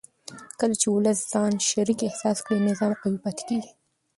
کله چې ولس ځان شریک احساس کړي نظام قوي پاتې کېږي